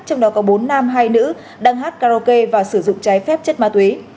trong đó có bốn nam hai nữ đang hát karaoke và sử dụng trái phép chất ma túy